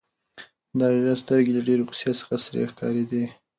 د هغه سترګې له ډېرې غوسې څخه سرې ښکارېدې.